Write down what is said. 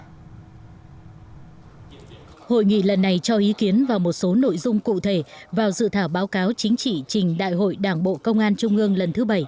hội nghị lần này cho ý kiến vào một số nội dung cụ thể vào dự thảo báo cáo chính trị trình đại hội đảng bộ công an trung ương lần thứ bảy